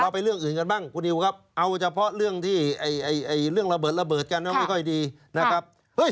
ไปเรื่องอื่นกันบ้างคุณนิวครับเอาเฉพาะเรื่องที่เรื่องระเบิดระเบิดกันไม่ค่อยดีนะครับ